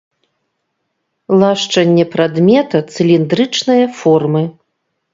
Лашчанне прадмета цыліндрычнае формы.